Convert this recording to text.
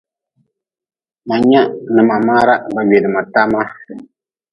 Ma nyea n ma maara ba gwedma tama.